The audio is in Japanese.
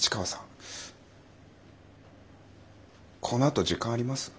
このあと時間あります？